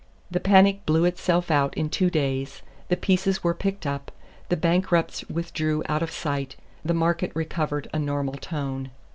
The panic blew itself out in two days, the pieces were picked up, the bankrupts withdrew out of sight; the market "recovered a normal tone."